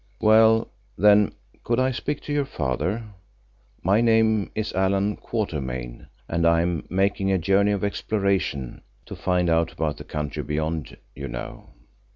"Well, then, could I speak to your father? My name is Allan Quatermain and I am making a journey of exploration, to find out about the country beyond, you know."